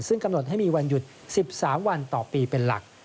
ซึ่งกำหนดให้มีวันหยุด๑๓วันต่อปีเป็นหลัก